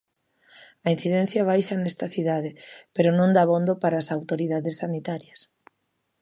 A incidencia baixa nesta cidade pero non dabondo para as autoridades sanitarias.